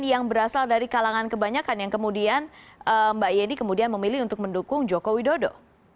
jadi ini adalah soal dari kalangan kebanyakan yang kemudian mbak yeni kemudian memilih untuk mendukung joko widodo